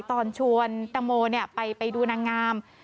ตอนชวนตังโมไปดูนางงาม